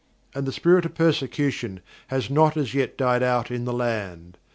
And the spirit of persecution has not as yet died out in the land.